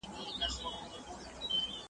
په ملګرو چي دي ګډه واویلا ده `